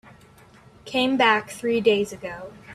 Came back three days ago.